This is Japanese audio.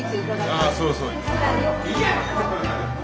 ああそうそう。